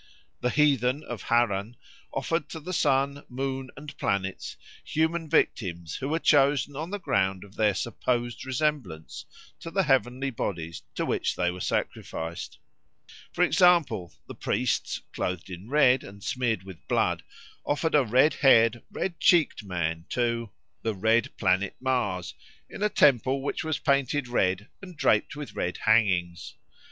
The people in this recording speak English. The heathen of Harran offered to the sun, moon, and planets human victims who were chosen on the ground of their supposed resemblance to the heavenly bodies to which they were sacrificed; for example, the priests, clothed in red and smeared with blood, offered a red haired, red cheeked man to "the red planet Mars" in a temple which was painted red and draped with red hangings.